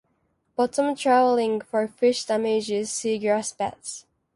Bottom trawling for fish damages seagrass beds.